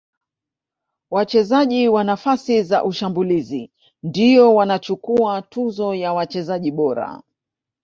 wachezaji wa nafasi za ushambulizi ndiyo wanachukuwa tuzo ya wachezaji bora